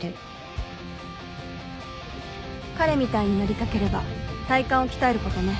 彼みたいになりたければ体幹を鍛えることね。